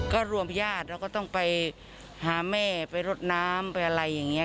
ก็รวมญาติเราก็ต้องไปหาแม่ไปรดน้ำไปอะไรอย่างนี้